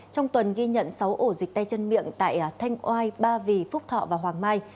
trong tuần ghi nhận sáu ổ dịch tay chân miệng tại thanh oai ba vì phúc thọ và hoàng mai